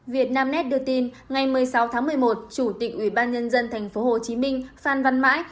việt nam nét đưa tin ngày một mươi sáu tháng một mươi một chủ tịch ủy ban nhân dân tp hcm phan văn mãi